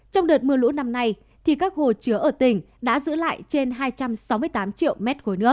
trong đợt mưa lũ năm nay thì các hồ chứa ở tỉnh đã giữ lại trên hai trăm sáu mươi tám triệu m ba